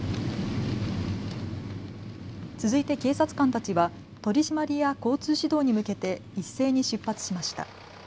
続いて警察官たちは取締りや交通指導に向けて一斉に出発しました。